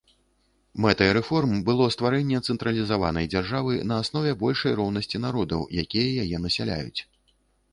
Мэтай рэформ было стварэнне цэнтралізаванай дзяржавы на аснове большай роўнасці народаў, якія яе насяляюць.